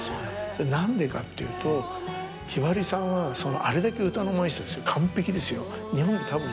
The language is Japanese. それ何でかっていうとひばりさんはあれだけ歌のうまい人ですよ完璧ですよ。